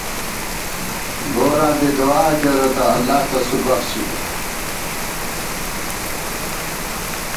گوراں دی دُعا کېرہ تہ اللہ تسُو بخچِبہ